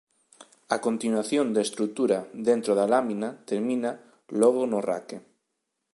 A continuación da estrutura dentro da lámina termina logo no raque.